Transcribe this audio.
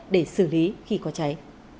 để xử lý khi có cháy